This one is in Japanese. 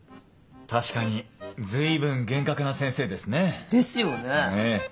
確かに随分厳格な先生ですね。ですよね。